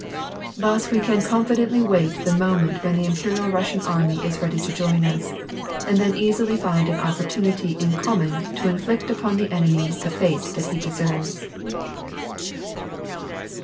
Thus we can confidently wait the moment when the Imperial Russian army is ready to join us, and then easily find an opportunity in common to inflict upon the enemy the fate that he deserves."